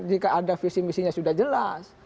jika ada visi misinya sudah jelas